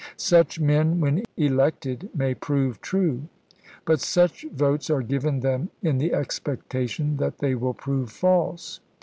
Such men, when elected, may prove true ', but such votes are given them in the expectation that they will prove false.